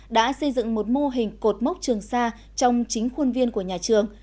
đã xây dựng một mô hình cột mốc trường xa trong chính khuôn viên của nhà trường